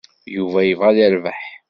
Yuba yebɣa ad yerbeḥ.